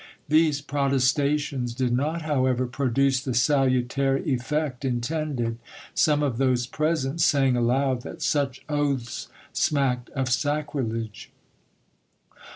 These protestations did not, however, produce the salutary effect intended, some of those present saying aloud that such oaths smacked of sacrilege.